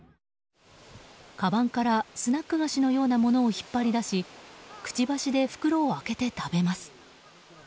かばんからスナック菓子のようなものを引っ張り出しくちばしで袋を開けて食べます。